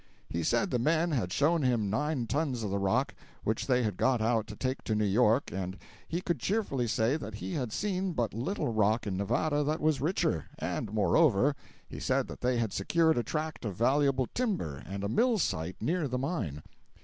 He said the men had shown him nine tons of the rock, which they had got out to take to New York, and he could cheerfully say that he had seen but little rock in Nevada that was richer; and moreover, he said that they had secured a tract of valuable timber and a mill site, near the mine.